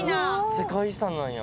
世界遺産なんや。